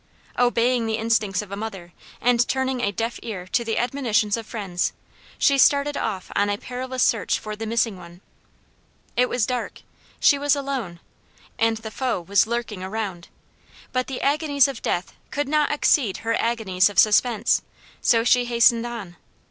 Obeying the instincts of a mother, and turning a deaf ear to the admonitions of friends, she started off on a perilous search for the missing one. It was dark; she was alone; and the foe was lurking around; but the agonies of death could not exceed her agonies of suspense; so she hastened on.